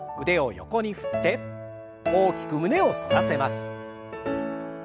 腕を横に振って大きく胸を反らせます。